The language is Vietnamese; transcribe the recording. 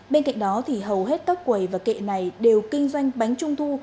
bên cạnh đó hầu hết các quầy và kệ này đều kinh doanh bánh trung thu